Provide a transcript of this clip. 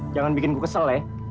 jangan bikin ku kesel ya